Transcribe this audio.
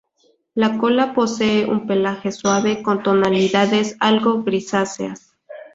La cola posee un pelaje suave, con tonalidades algo grisáceas.